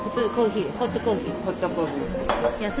ホットコーヒー。